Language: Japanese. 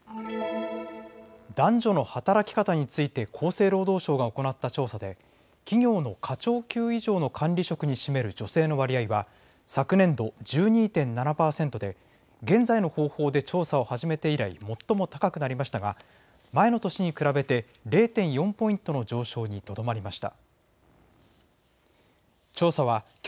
男女の働き方について厚生労働省が行った調査で企業の課長級以上の管理職に占める女性の割合は昨年度１２．７％で現在の方法で調査を始めて以来、最も高くなりましたが前の年に比べて０．４ポイントの上昇にとどまりました。